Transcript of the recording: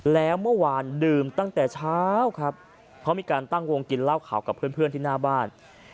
แล้วเมื่อวานดื่มตั้งแต่เช้าครับเพราะมีการตั้งวงกินเหล้าขาวกับเพื่อนที่หน้าบ้าน